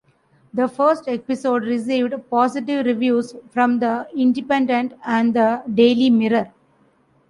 The first episode received positive reviews from The Independent and The "Daily Mirror".